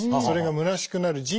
それが「虚しく」なる。